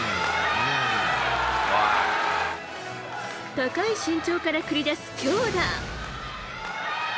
高い身長から繰り出す強打。